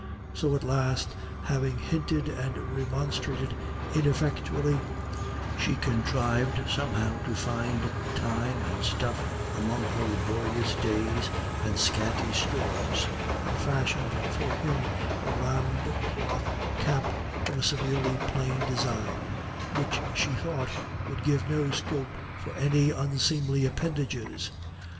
So at last, having hinted and remonstrated ineffectually, she contrived somehow to find time and stuff among her laborious days and scanty stores, and fashioned for him a round cloth cap of a severely plain design, which she thought would give no scope for any unseemly appendages.